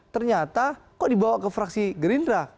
ternyata kok dibawa ke fraksi gerindra